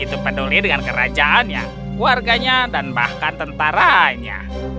dia tidak peduli dengan kerajaannya warganya dan bahkan tentaraannya